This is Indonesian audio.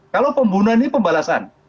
kalau pembunuhan ini pembalasan